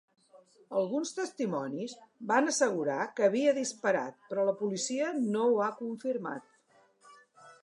Alguns testimonis van assegurar que havia disparat, però la policia no ho ha confirmat.